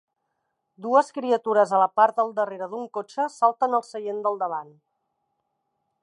Dos criatures a la part del darrere d'un cotxe salten al seient del davant.